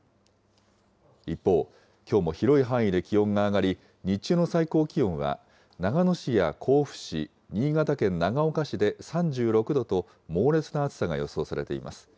一方、きょうも広い範囲で気温が上がり、日中の最高気温は、長野市や甲府市、新潟県長岡市で３６度と猛烈な暑さが予想されています。